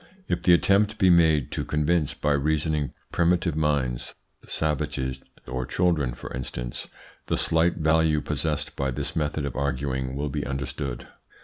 If the attempt be made to convince by reasoning primitive minds savages or children, for instance the slight value possessed by this method of arguing will be understood.